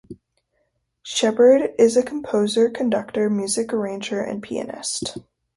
Shepard is also a composer, conductor, music arranger and pianist.